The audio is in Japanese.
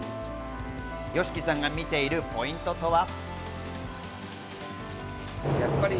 ＹＯＳＨＩＫＩさんが見ているポイントとは？